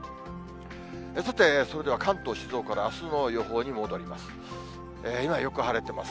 さて、それでは関東、静岡のあすの予報に戻ります。